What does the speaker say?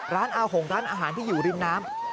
ร้านอาหงร้านอาหารที่อยู่ริมน้ำ